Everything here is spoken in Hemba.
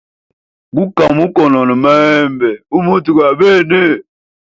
Guka mukonona mahembe u muti gwa bene.